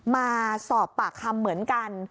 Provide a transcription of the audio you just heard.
มาสอบปากคำเหมือนกัน